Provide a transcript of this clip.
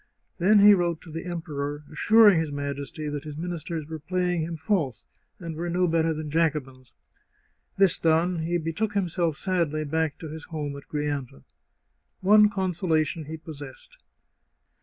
Then he wrote to the Emperor, assuring his Majesty that his ministers were playing him false, and were no better than Jacobins. This done, he betook himself sadly back to his home at Grianta. One consolation he possessed.